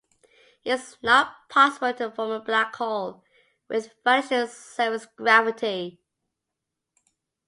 It is not possible to form a black hole with vanishing surface gravity.